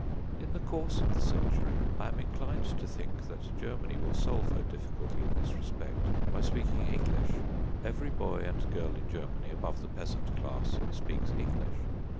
In the course of the century, I am inclined to think that Germany will solve her difficulty in this respect by speaking English. Every boy and girl in Germany, above the peasant class, speaks English.